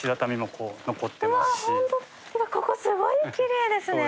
ここすごいきれいですね。